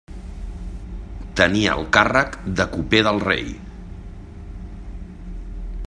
Tenia el càrrec de coper del rei.